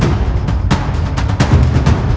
ตอนที่สุดมันกลายเป็นสิ่งที่ไม่มีความคิดว่า